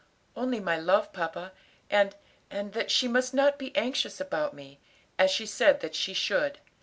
"Only my love, papa, and and that she must not be anxious about me, as she said that she should.